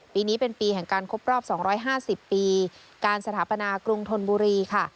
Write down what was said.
ปีนี้เป็นปีแห่งการครบรอบ๒๕๐ปีการสถาปนากรุงธนบุรีค่ะ